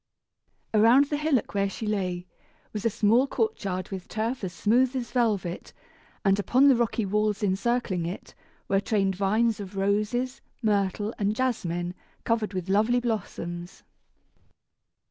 Around the hillock where she lay was a small courtyard with turf as smooth as velvet, and upon the rocky walls encircling it were trained vines of roses, myrtle and jasmine, covered with lovely blossoms.